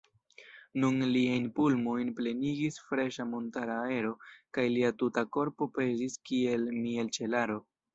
Nun liajn pulmojn plenigis freŝa montara aero kaj lia tuta korpo pezis kiel mielĉelaro.